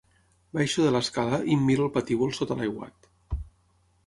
Baixo de l'escala i em miro el patíbul sota l'aiguat.